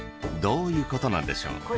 どういうことなんでしょう？